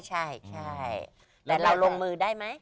ใช่แต่เราลงมือได้ไหม